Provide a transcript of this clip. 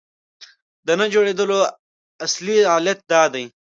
د نه جوړېدلو اصلي علت دا دی.